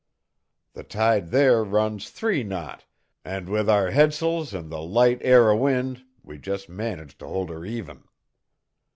The tide there runs three knot, and, with our headsails an' the light air o' wind, we just managed to hold her even.